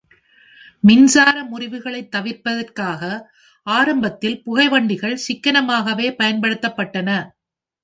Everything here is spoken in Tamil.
மின்சார முறிவுகளைத் தவிர்ப்பதற்காக, ஆரம்பத்தில் புகைவண்டிகள் சிக்கனமாகவே பயன்படுத்தப்பட்டன.